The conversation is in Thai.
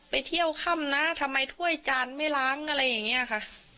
ไปเที่ยวค่ำนะทำไมถ้วยจานไม่ล้างอะไรอย่างนี้ค่ะ